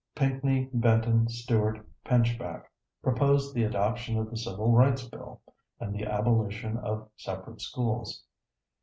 Pinckney Benton Stewart Pinchback proposed the adoption of the Civil Rights Bill, and the abolition of separate schools.